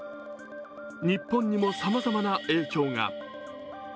日本にもさまざまな影響が。